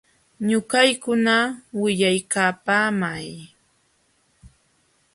Ñuqaykunata willaykapaamay.